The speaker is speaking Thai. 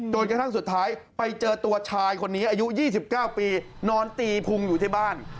จนกระทั่งสุดท้ายไปเจอตัวชายคนนี้อายุ๒๙ปีนอนตีพุงอยู่ที่บ้าน